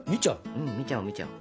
うん見ちゃう見ちゃう。